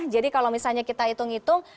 jadi kalau misalnya kita hitung hitung